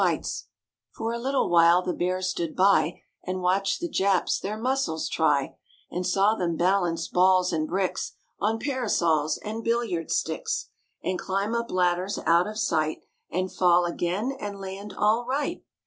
THE BEARS ENTERTAIN PHILADELPHIA CHILDREN 89 For a little while the Bears stood by And watched the Japs their muscles try, And saw them balance balls and bricks On parasols and billiard sticks, And climb up ladders out of sight And fall again and land all right.